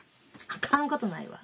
あかんことないわ。